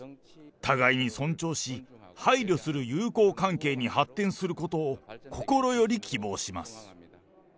互いに尊重し、配慮する友好関係に発展することを、心より希望します。